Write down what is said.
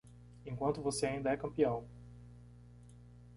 Enquanto você ainda é campeão!